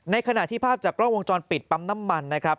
ขณะที่ภาพจากกล้องวงจรปิดปั๊มน้ำมันนะครับ